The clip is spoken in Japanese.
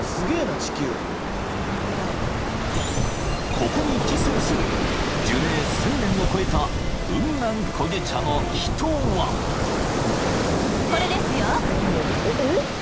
［ここに自生する樹齢１，０００年を超えた雲南古樹茶の木とは？］えっ！これ！？